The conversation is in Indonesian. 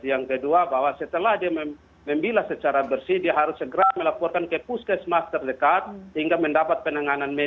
yang kedua bahwa setelah dia membilas secara bersih dia harus segera melaporkan ke puskesmas terdekat hingga mendapat penanganan medis